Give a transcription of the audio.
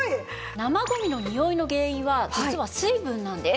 生ゴミのにおいの原因は実は水分なんです。